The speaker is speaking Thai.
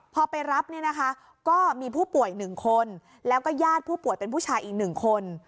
พอไปรับก็มีผู้ป่วยหนึ่งคนแล้วก็ญาติผู้ป่วยเป็นผู้ชายอีกหนึ่งคน